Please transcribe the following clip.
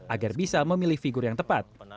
agar bisa memilih figur yang tepat